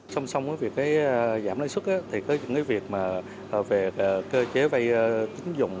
song song với việc giảm lãi xuất có những việc về cơ chế vay tính dụng